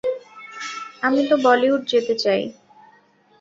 আমি তো বলিউড যেতে চাই।